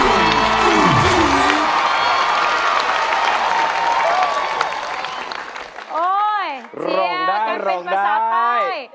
โอ้ยเจี๊ยวกันเป็นภาษาใต้